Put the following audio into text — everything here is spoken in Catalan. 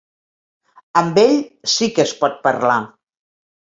Amb ell sí que es pot parlar.